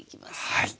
はい。